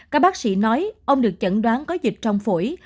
các bác sĩ nói ông được chẩn đoán có dịch trong phổi